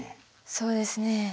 そうですね